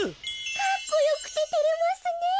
かっこよくててれますねえ。